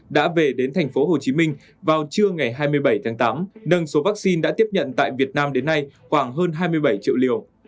đã về đến thành phố hồ chí minh vào trưa ngày hai mươi bảy tháng tám nâng số vaccine đã tiếp nhận tại việt nam đến nay khoảng hơn hai mươi bảy triệu liều